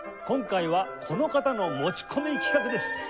今回はこの方の持ち込み企画です。